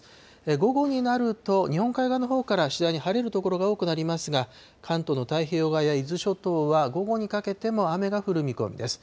午後になると、日本海側のほうから次第に晴れる所が多くなりますが、関東の太平洋側や伊豆諸島は午後にかけても雨が降る見込みです。